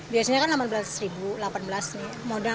biasanya kan rp delapan belas rp delapan belas ini